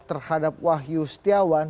terhadap wahyu setiawan